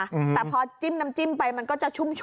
แต่พอจิ้มน้ำจิ้มไปมันก็จะชุ่มชุ่ม